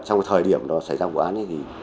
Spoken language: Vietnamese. trong thời điểm xảy ra vụ án